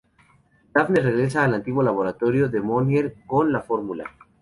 Daphne regresa al antiguo laboratorio de Mohinder con la fórmula.